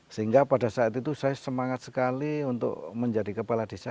sehingga pada saat itu saya semangat sekali untuk menjadi kepala desa